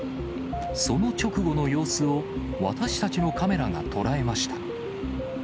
その直後の様子を、私たちのカメラが捉えました。